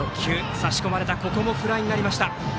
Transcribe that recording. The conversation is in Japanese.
差し込まれてここもフライになりました。